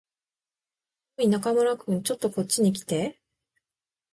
おーい、中村君。ちょっとこっちに来て。